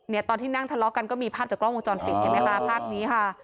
ตอนที่นั่งทะเลาะกันก็มีภาพจากกล้องวงจรปิดเห็นไหมคะภาพนี้ค่ะ